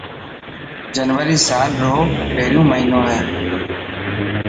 جنوري سلا رو پهريون مهينو هي.